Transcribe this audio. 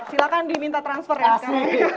silahkan diminta transfer ya